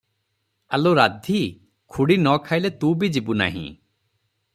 ଆଲୋ ରାଧି, ଖୁଡ଼ି ନ ଖାଇଲେ ତୁ ବି ଯିବୁ ନାହିଁ ।"